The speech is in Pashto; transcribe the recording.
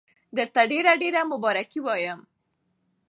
درته ډېر ډېر مبارکي وایم.